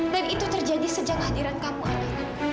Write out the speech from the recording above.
dan itu terjadi sejak hadiran kamu ananda